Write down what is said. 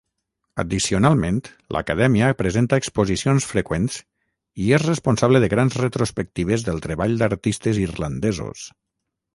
Addicionalment, l'Acadèmia presenta exposicions freqüents i és responsable de grans retrospectives del treball d'artistes irlandesos.